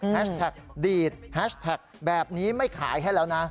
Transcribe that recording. แท็กดีดแฮชแท็กแบบนี้ไม่ขายให้แล้วนะ